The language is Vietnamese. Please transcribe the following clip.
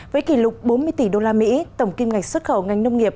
với kỷ lục bốn mươi tỷ đô la mỹ tổng kim ngạch xuất khẩu ngành nông nghiệp